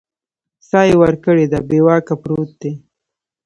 ساه یې ورکړې ده بې واکه پروت دی